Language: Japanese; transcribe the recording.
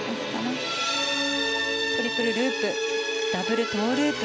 トリプルループダブルトウループ。